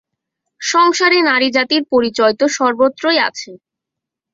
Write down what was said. সংসারে নারীজাতির পরিচয় তো সর্বত্রই আছে।